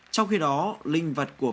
trong khi đó linh vật của